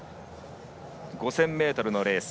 ５０００ｍのレース。